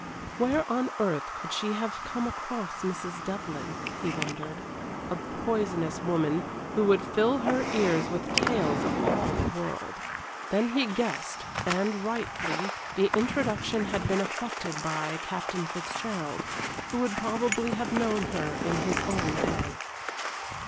Where on earth could she have come across Mrs. Devlyn? he wondered. A poisonous woman, who would fill her ears with tales of all the world. Then he guessed, and rightly, the introduction had been effected by Captain Fitzgerald, who would probably have known her in his own day.